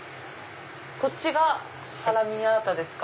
こっちがハラミアータですか？